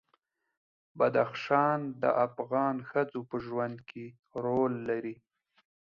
بدخشان د افغان ښځو په ژوند کې رول لري.